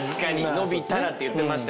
「伸びたら」って言ってましたけどね。